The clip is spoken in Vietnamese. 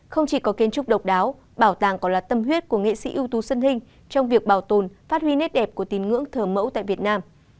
không chỉ có kiến trúc độc đáo bảo tàng còn là tâm huyết của nghệ sĩ ưu tú xuân trong việc bảo tồn phát huy nét đẹp của tín ngưỡng thờ mẫu tại việt nam